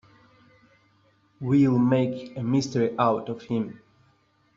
We'll make a mystery out of him.